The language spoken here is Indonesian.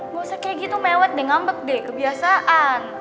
gak usah kayak gitu mewet deh ngambek deh kebiasaan